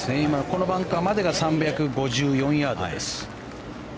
このバンカーまでが３５４ヤードです。